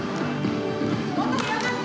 もっと広がって！